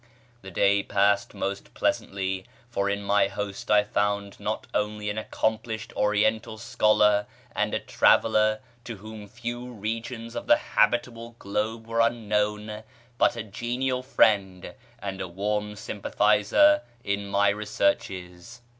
That day passed most pleasantly, for in my host I found not only an accomplished Oriental scholar and a traveller to whom few regions of the habitable globe were unknown, but a genial [page xxiii] friend and a warm sympathizer in my researches.